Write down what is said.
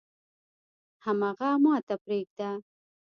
حم اغه ماته پرېده.